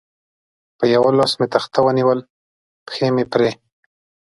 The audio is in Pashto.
په یوه لاس مې تخته ونیول، پښې مې پرې.